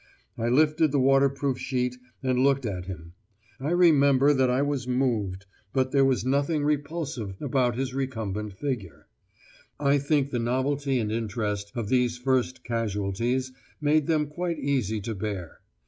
I lifted the waterproof sheet and looked at him. I remember that I was moved, but there was nothing repulsive about his recumbent figure. I think the novelty and interest of these first casualties made them quite easy to bear.